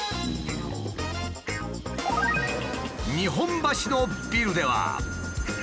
日本橋のビルでは。